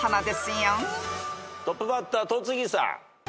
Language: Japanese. トップバッター戸次さん。